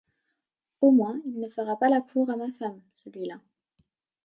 Au moins il ne fera pas la cour à ma femme, celui-là !